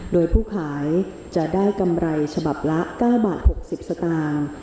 โดยผู้ขายจะได้กำไรฉบับละ๙บาท๖๐สตางค์